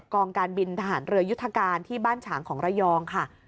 กองการบินทหารเรือยุทธการที่บ้านฉางของระยองค่ะ